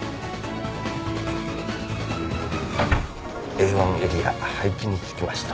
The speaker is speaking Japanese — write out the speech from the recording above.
Ａ１エリア配置に就きました。